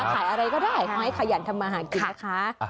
ขายอะไรก็ได้ขอให้ขยันทำมาหากินนะคะ